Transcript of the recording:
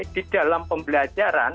di dalam pembelajaran